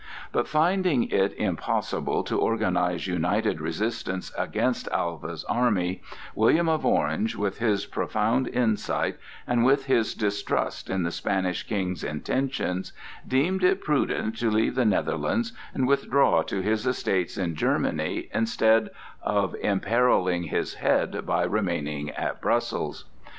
But finding it impossible to organize united resistance against Alva's army, William of Orange, with his profound insight and with his distrust in the Spanish King's intentions, deemed it prudent to leave the Netherlands and withdraw to his estates in Germany instead of imperilling his head by remaining at Brussels.